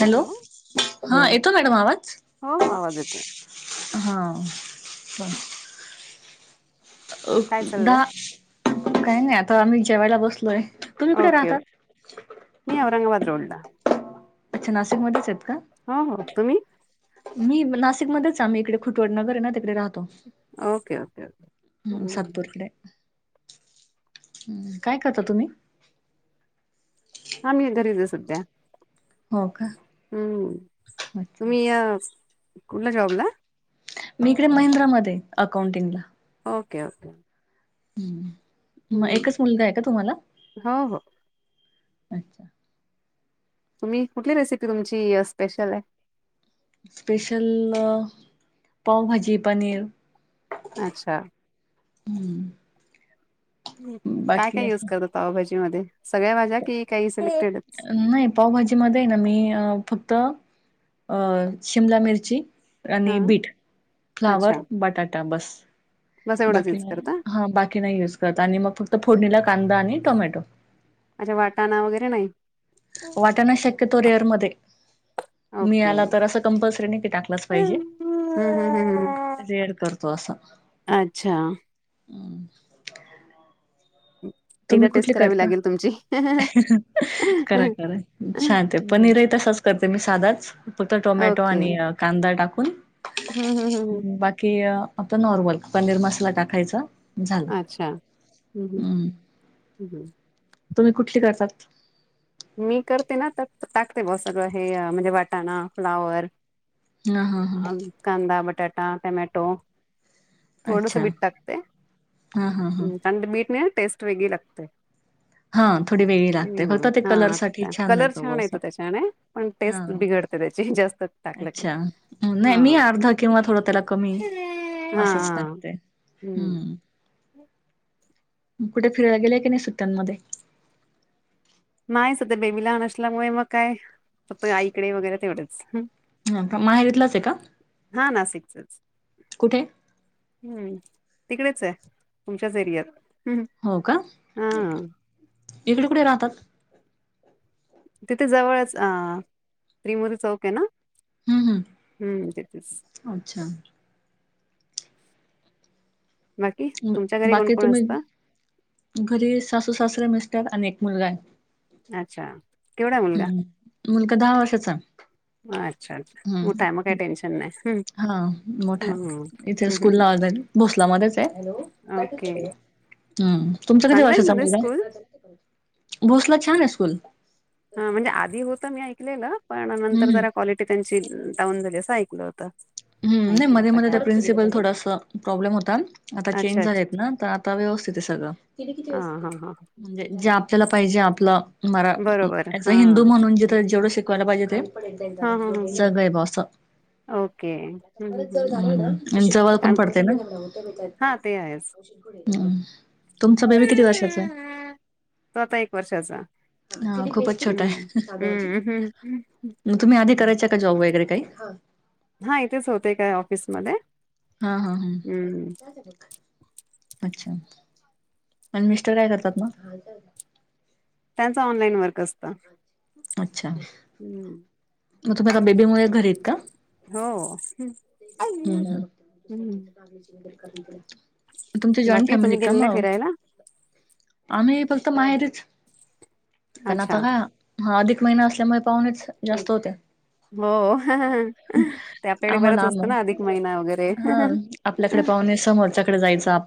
Hello हा येतो madam आवाज हो हो आवाज येतोय हां ब काय दा चाललंय काही नाही आता आम्ही जेवायला बसलोय. तुम्ही कुठे ओके ओके राहतात मी औरंगाबाद रोडला अच्छा नाशिकमध्येच आहेत. का हो हो तुम्ही मी नाशिक ममध्येच आम्ही इकडे खुटवड नगर आहे ना तिकडे राहतो. ओके ओके ह् काय करता तुम्ही हम घरी जस का? हो का? हम्म अच्छा तुम्ही या कुठल्या जॉबला? मी इकडे महिंद्रामध्ये अकाउंटिंगला ओके ओके. हम्म. मग हम्म. एकच मुलगा आहे का तुम्हाला? हो हो अच्छा तुम्ही कुठली रेसिपी तुमची स्पेशल आहे? स्पेशल पावभजी पनीर अच्छा हम्म. काय काय युज करतो पावभाजी मधे सगळ्या भाज्या की काहीच नाही पावभाजी मध्ये आहे ना मी फक्त त अ शिमला मिरची हा आणि बीट अच्छा फ्लावर बटाटा बस बस एवढंच बाकी यूज नाही करता हा बाकी नाही यूज करत आणि मग फक्त फोडणीला कांदा आणि टोमॅटो अच्छा वाटाणा वगैरे नाही वाटाणा शक्यतो कररिअरमध्ये मी ओके आला तर असं कंपल्सरी नाही की टाकलाच पाहिजे हम्म हम्म हम्म रेअर करतो असं अच्छा हम. एकदा तुम्ही टेस्ट कुठले करावी करता लागेल तुमची. करा करा छान ते हं, पनीरही तसच करता ते मी साधाच फक्त टोमॅटो ओके. आणि कांदा टाकून हं हं हं [inaudible] हं. ह् बाकी अ आता नॉर्मल पनीर मसाला टाकायचा झालं. अच्छा हम्म हम्म. हं, ह ह. तुम्ही कुठली करतात मी करते ना तर टाकते ब सगळ हे म्हणजे वाटाणा फ्लावर हां, हां, अ हां. कांदा बटाट आटा टमॅटो थोडस अच्छा. बीट टाकते, हां, हां, हां. कारण ते बीट ने टेस्ट वेगळी लागते हा थोडी वेगळी लागते हं. होतात हा आ कलर छान येतो त्याच्याने पण टेस्ट हां. बिघडते त्याची जास्त टाकलं क अच्छा. नाही हा मी अर्धा किंवा थोडं त्याला कमी हा असंच टाकते. हम्म. हं. कुठे फिरायला गेले की नाही सुट्ट्यांमध्ये नाही सध्या बेबी लहान असल्यामुळे मग काय फक्त आईकडे वगैरे तेवढेच ह का माहेरातलंच आहे का? हा नाशिकचच कुठे? हम्म. तिकडेच आहे तुमच्याच एरियात हो का हा इकडे कुठे राहतात. तिथे जवळच अ त्रिमुरी चौक आहे ना हम्म हम्म अच्छा बाकी मग तुमच्या घरी कोण बाकी कोण तुम्ही असत. घरी सासू, सासरे, मिस्टर अन एक मुलगा आहे. अच्छा केवढा मुलगा हं. मुलगा वर्षाचा? [inaudible] अच्छा अच्छा कुठाय मग काय टेन्शन नाही हं, हा हं, मोठाय हं. इथे हं, हं, स्कूल ला [unintelligible] भोसलामध्येच हं. ओके आहे - हम् तुमचा कधी चांगलं आहेत वर्षाचा ना ते स्कूल मुलगा भोसला छान आहे स्कूल हा म्हणजे आधी होत ना ऐक -ना पण नंतर हम्म जरा क्वालिटी त्यांची डाऊन झाली असऐक - [unintelligible] ह्म नाही मध्ये मध्ये त्या प्रिन्सिपल थोडस प्रॉब्लेम होता आता अच्छा चेंज अच्छा झालेत ना तर आता व्यवस्थित आहे सगळं हा हा हा [unintelligible] म्हणजे जे आपल्याला पाहिजे आपलं बरोबर मराज अ हा हिंदू म्हणून जेथ जेवढं शिकवायला पाहिजे ते [unintelligible] हा ह बा अस ओके हम्म हम्म हम्म [unintelligible] जवळ पण कारण पडते ना [unintelligible] त्रास हा ते आहेच औषध घ ह तुमच बेबी किती वर्षाचा आहे तो आता एक वर्षाचा हा खूपच छोटाय हम्म हम्म मग तुम्ही आधी हम्म करायच्या का जॉब वगैरे - हा हा इथेच होते काय ऑफिसमध्ये हा हा हम्म हा [inaudible] अच्छा [inaudible] आणि मिस्टर काय करतात मग त्यांचा ऑनलाईन वर्क असत [inaudible] अच्छा. हम्म. मग तुम्ही बेबीमुळे घरी आहेत का? हो. [inaudible] [inaudible] हम्म तुमची जॉईंट बाकी फॅमिली तुम्ही का गेलेला म? फिरायला आम्ही फक्त माहेरीच कनात अच्छा ह, हा अदिक महिना असल्यामुळे पाहुणेच जास्त होते. हो हो त्याकडे बरंच आम्हाला असतं मग ना अधिक महिना वगैरे हा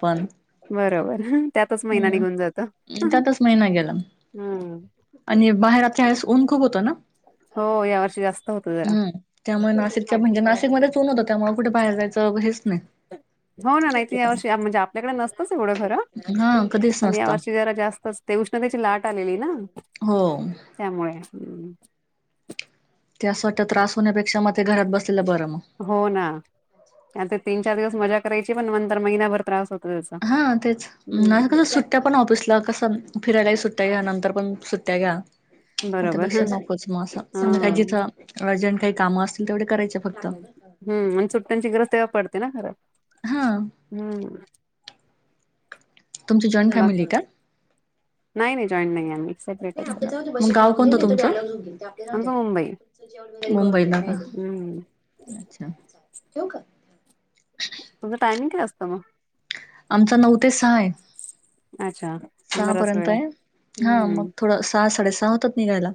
पण बरोबर त्यातच महिना निघून जातो, त्यातच महिना गेला हम. आणि बाहेर या वेळेस ऊन खूप होत ना, हो या वर्षी जास्त होतं जरा त्यामुळे नाशिकच्या म्हणजे नाशिकमध्येच ऊन होत. मग कुठे बाहेर जायचं हेच नाही. हो ना नाही त या वर्षी म्हणजे आपल्याकडे नसतंच एवढं घर हा कधीच पण या नसतं वर्षी जरा जास्तच ते उष्ण त्याची लाट आली, हो. त्यामुळे हम्म. ते असं वाटतं त्रास होण्यापेक्षा मग ते घरात बस हो ना नाय तर तीन चार दिवस मजा करायची पण नंतर महिनाभर त्रास होत. हा तेच कस सुट्ट्या पण ऑफिसला कसं फिरायला सुट्ट सुट्ट्या घ्या, नंतर पण सुट्ट्या घ्या म बरोबर त्यापेक्षा ह नकोच हा मं का जिथं अर्जट काही काम असतील तेवढी करायचे फक्त. हम्म आणि सुट्ट्यांची गरज तेव्हा पडते ना खराब, हा हम्म. तुमची जॉईंट मग फॅमिली का? नाही नाही जॉईन नाही आम्ही. सेपरेटच आहे. गाव कोणत तुम हम्म आमचं मुंबई मुंबई? मुंबई का हम्म अच्छा. ठेऊ का? तुमच टायमिंग काय असत त म? आमचा नऊ ते सहा आहे. अच्छा सहा बराच वेळ आहे पर्यंतय, हा मग हम्म थोडं सहा साडेसहा होतात निघायला.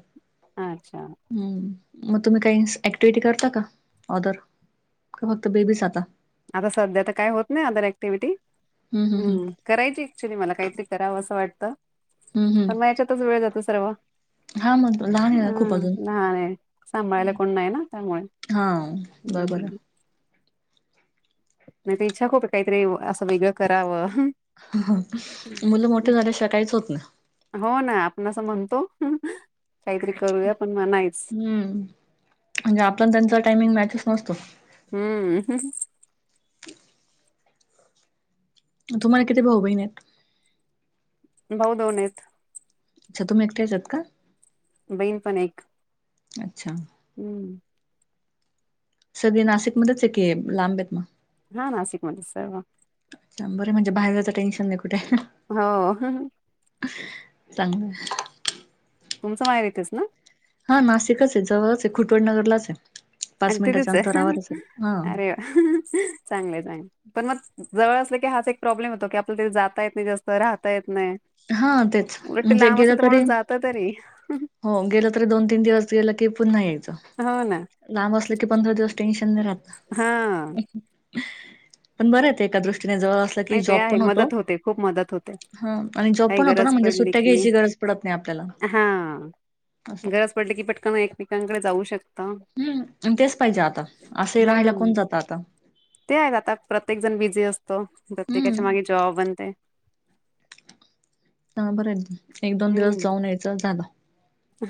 अच्छा हम्म. मग तुम्ही काही ऍक्टिव्हटी करता का? ऑदर का फक्त बेबीच आता? आता सध्या तर काय होत नाही अदर ऍक्टिव्हिटी हम्म हम्म हम्म ह् करायची ऍक्च्युली मला काहीतरी करावं असं वाटतं हम्म पण हम्म याच्यातच वेळ जातो सर्व हा मग लहान आहे ना खूप हं अजून नाय, नाय सांभाळायला कोण नाही ना त्यामुळे. हा बरोबर हम्. आहे इच्छाक होत काहीतरी असं वेगळं करावं. ह मुलं हम्म. मोठे झाल्या शिवाय काईच होत नाइ. तो हम्म, आपण त्यांचा टाइमिंग मॅच नोजतो हम्म, ह की म तुम्हाला किती भाऊ बहिणयत? भाऊ दोनयत. अच्छा तुम्ही एकट्याच त का? बहीण पण एक. अच्छा. हम्म. सगळे नाशिकमध्येच की लांबयत मग? हा नासिक म्हधे सर्व. बरं म्हणजे बाहेरचं टेन्शन नाय कुठे. हो. चांगलय. तुमचं माहेर येतेच ना? हा नाशिकचय, जवळचय खुटवडनगरलाचय. आणि तिथेचय हा अरे वा चांगलंय, चांगलय पण म जवळ असलं की हाच एक प्रॉब्लेम होतो की आपलं ते जाता येत नाही जास्त राहता ये नाही, हा तेच उलट म्हणजे लांब गेलं असेल तर तरी माणूस जात तरी. हो गेलं तरी दोन तीन दिवस गेलं की पुन्हा ये हो ना. लांब असल पंधरा दिवस टेन्शन नाइ राह हा. पण बरंय ते त्या दृष्ट जवळ असल की नाही ते जॉब आहे पण होतो मदत होते खूप मदत होते हा आणि जॉब काही पण होतो ना गरज म्हणजे पडली सुट्ट्या की घ्यायची गरज पडत नाइ आपल्याला. हा असं गरज पडल की पटकन एकमेकांकडे जाऊ शकता. हम्म आणि तेच पाहिजे आता असे राहायला कोण हम्म. जात आता. ते आहेत आता प्रत्येक जण बिझी असतो हम्म प्रत्येकाच्या माग जॉब अंत [unintelligible] हा बर हाय ना ते एक दोन दिवस जाऊन यायचं झालं.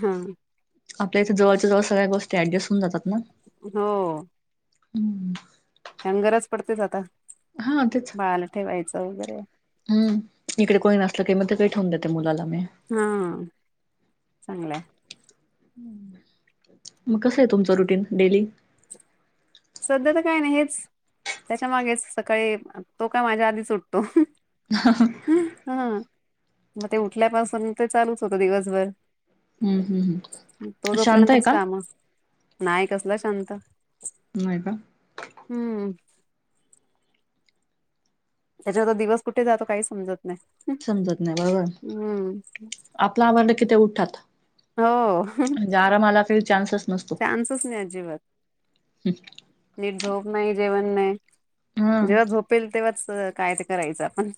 हा आपल्या इथ जवळच्या जवळ सगळ्या गोष्टी ऍडजेस्ट होवुन जातात ना हो. हं हं आण गरज पडतेच आता बाळाला ठेवायचं. वगैरे हूं इकडे कोणी नसलं की मग ते ठेवून देते मुलाला मी हा चांगलंय. मग कस आहे तुमचं रुटीन डेली सध्या तर काही नाही हेच त्याच्या मागेच सकाळी तो काय माझ्या आधीच उठतो. [unintelligible] म ते उठल्यापासून ते चालूच होत दिवसभर. हम्म हम्म हम्म शांत आहे का? नाय कसला शांत नाही का? हूं त्याच्यात दिवस कुठे जातो काही समजत नाही समजत नाय हम्म बरोबर आपलं आवरंलं कि ते उठठात म्हणजे आरामला काही चान्स स चान्सस नाही अजिबात ने झोप नाही जेवण नाय हा जेव्हा झोपेल तेव्हाच अ काय ते करायचं आपण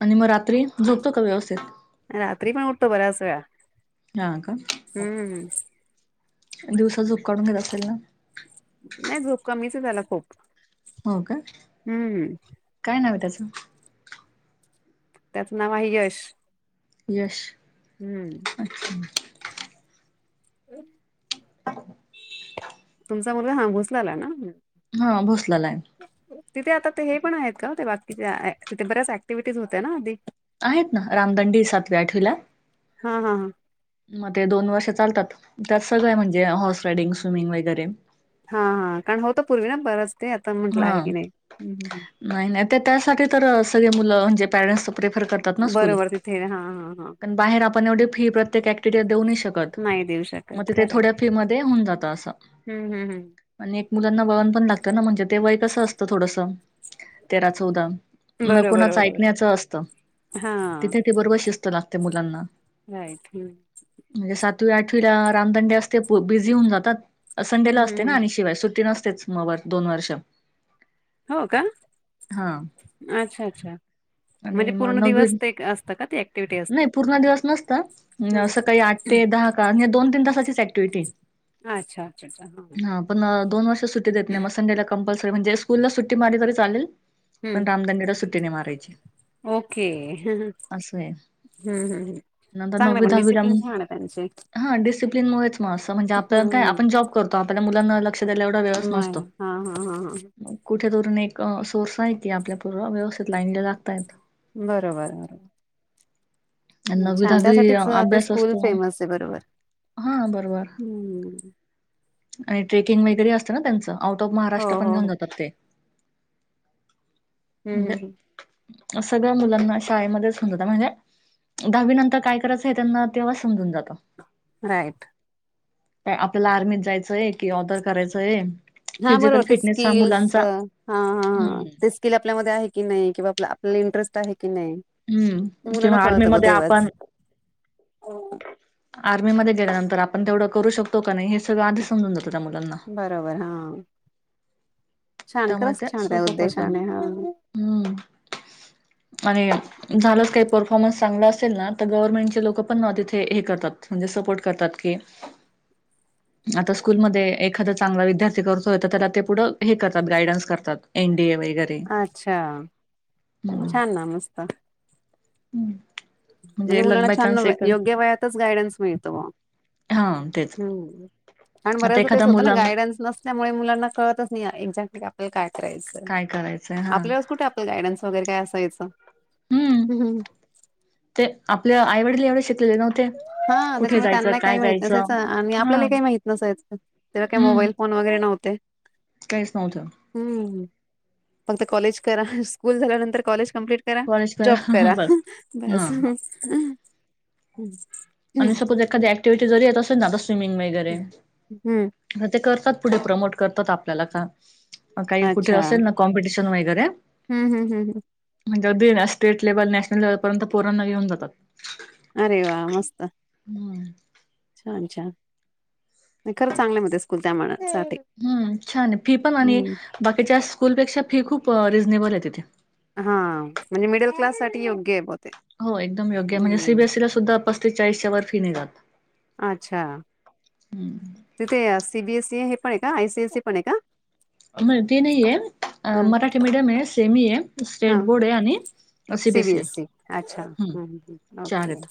आणि म रात्री झोपतो का व्यवस्थित? रात्री पण उठतो बऱ्याच वेळा हा का हम्म दिवसा झोप करून घेत असेल ना नाही झोप कमीच ये त्याला खूप हो का हम्म काय नाव त्याच [inaudible] त्याचं नाव आहे यश. यश. हम्म अच्छा [unintelligible] [unintelligible] तुमचा म हां भुसलेला ना हा भोसलाला आहे. तिथे आता ते हे पण आहेत का हो ते ति तिथे बऱ्याच क्टिव्हिटीज होत ना अधदी आहेत ना रामदंडी सातव्या आठवला हा हा हा मग ते दोन वर्ष चालतात त्यात सगळं म्हणजे हॉर्स रायडिंग स्विमिंग वगैरे हा हा कारण हो तर पूर्वी ना बरच ते आता म्हंटलं आहे हा. की नाही नाही नाही ते त्यासाठी तर सगळे मुलं म्हणजे पॅरेंट्स प्रेफर बरोबर तिथे हा हा हा करतातकलण बाहेर आपण एवी फी प्रत्येक क्टि देऊ शकत नाही देऊ शकत मग त खरं थोड्या फी म होऊन जात अस हम्म हम्म हम्म आणि एक मुलांना बळन पण लागत म्हणजे वय कस असतं थोडस तेरा चौदा न बरोबर कुणाच बरोबर ऐकण्याचं असतं हा तिथे ते बरोबर शिस्त लात त्या मुलांना राईट हम् त आठवीला रामदंडे असते बिझी होऊन जातात संडेला हम्म असते ना हम्म आणि शिवाय सुट्टी नसते [unintelligible] दोन वर्ष हो का [inaudible] हा अच्छा अच्छा [inaudible] म्हणजे आणि मग पूर्ण दिवस नववीत ते असतं का ती ऍक्टिव्हटी [inaudible] असते नाही पूर्ण दिवस नसत हा म सकाळी आठ ते दहा का या दोन तीन तासाचीच ऍक्टिवटी अच्छा अच्छा अच्छा हा [inaudible] ह पण [unintelligible] सुटी देत नाही म संडेला [unintelligible] म्हणजे स्कूलला सुट्टी मारली तरी चालेल पण हम्म रामदडीला सुट्टीने मारायची ओके हम्म [inaudible] अस आहे हम्म नंतर चांगलं आहे नववी पण डिसिप्लिन दहावी छान आहे त्यांचे [unintelligible] हा डिसिप्लन मुळेच म अस म्हणजे आप काय हम्म आपण जॉब करतो आपल्या [unintelligible] लक्ष दयायला एवढा वेळच नसतो नाही हा हा हा हा [inaudible] कुठे [unintelligible] अ सोर्स आहीत आपल्या पूर् व्यवस्थित लाईनला लागतयत बरोबर [inaudible] आणि अ छान अ, त्यासाठीच ते अभ्यास स्कूल असतो फेमस आहे बरोबर हां, बरोबर य [inaudible] हम्म आणि ट्रेकिंग वगैरे असत ना त्यांच आउट ऑफ हो मार्क हो - हो [unintelligible] जातात ते म्ह म्हणजे म्ह सगळ्या मुलांना शाळेमध्येच होऊन जातात म्हणजे दहावी नंतर काय करायचं हे त्यांना तेव्हा समजून जातं राईट प आपल्याला आर्मीत जायचं एक की ऑदर करायचंय हा फिजल बरोबर ते फिट - स्किल्स हा हा हा ते स्किल आपल्यामध्ये आहे कि नाही किंवा [unintelligible] [unintelligible] ते हम्म मुलांना किंवा आर्मी कळतं ब मध्ये आपण तेव्हाच [inaudible] आर्मी मध्ये [unintelligible] र तर आपण तेवढं करू शकतो का नाही हे - [unintelligible] आधीच समजून जात त्या मुलाना बरोबर हा छान खरच [unintelligible] उद्दशाानय हा हम्म आणि झालंच काही परफॉर्मन्स चांगल असेल ना तर गव्हरमेंट ची लोक सुद्धा हे करता म्हंजे सपोर्ट करतात [inaudible] की [inaudible] एखादा चांगला विद्यार्थी करतोय त पुढ हे करतात गयडन्स करतात एनडी [unintelligible] अच्छा छानना मस्त! हम्म. म्हणजे लक मुलांना बाय छान चान्स नव्हे, एक योग्य वयातच गायडन्स मिळतो. हा तेच हुं, आणि आता बऱ्याचदा तेच एखादा होत ना मुला गायडन्स नसल्यामुळे मुलांना कळतच नाही- एकॅज्याक्टली [unintelligible] काय करायचं, काय करायचंय हा आपल्यावेळेस कुठे आपलं गायडन्स वगैरे काय असायचं.. हम्म [unintelligible] ते आपल्या आईवडील एवढे शिकलेले नव्हते. हा कुठे त्याच्यामुळे जायचं, त्यांना काही काय माहित नसायचं जायचं, आणि हां आपल्याला काही माहित नसायचं. तेव्हा काही हुं मोबाईल फोन वगैरे नव्हते. काहीच नव्हतं. हुं पण ते कॉलेज करा, स्कूल झाल्यानंतर कॉलेज- कम्पलीट करा, कॉलेज जॉब करा. बस [unintelligible] बस हा [unintelligible] हुं आणि सपोज एखादी एक्टीविटी जरी येत असे- [unintelligible] स्विमिंग वगैरे, हम्म अग ते करतात. पुढे प्रमोट करतात आपल्याला च- आ, काही कुठे असेल ना कॉम्पिटिश- तेन वगैरे- हुं- हुं -हुं -हुं- म्हणजे अगदी स्टेट लेव्हल, नॅशनल लेव्हल, पर्यंत पोरांना घऊन जातात. अरे वा मस्त! हुं- छान -छान नाही खरं चांगलय मग ते स्कूल त्यामुळ- हुं छान आहे फी पण आणि बाकीच्या स्कूलपेक्षा फी खू प रिझनेबल आहे तिथे. हां, म्हणजे मिडल क्लास साठी येऊन- हो एकदम योग्य म्हणजे, सी बी एस ई ला सुद्धा पस्तीस चाळीसच्या वर फी नाही जात. अच्छा, तिथे सीबीएस- ते हे पण आहे का? आय सी आय सी पण आहे का? अं ते नाहीये, हा मराठी मीडियम आहे, सेमी आहे, हा स्टेट बोर्ड आहे आणि सी बी एस सी आहे. सीबीएसई अच्छा हम्म हम्म. चार ओके आहेत.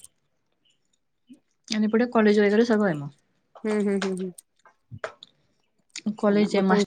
आणि पुढे कॉलेज वगैरे सगळं आहे मग. हुं-हुं -हुं- हुं चला कॉलेज मग आहे तुम- मास्टर